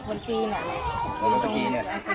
สวัสดีครับทุกคน